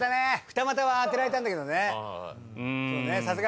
「ふたまた」は当てられたんだけどね。